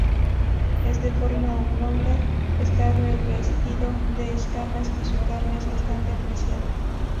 Es de forma oblonga, está revestido de escamas y su carne es bastante apreciada.